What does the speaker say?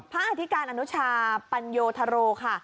อธิการอนุชาปัญโยธโรค่ะ